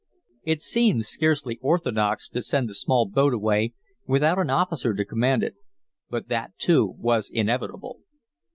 It seemed scarcely orthodox to send the small boat away without an officer to command it, but that, too, was inevitable.